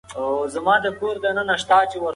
ځوان نسل د کار او ژوند توازن ته لومړیتوب ورکوي.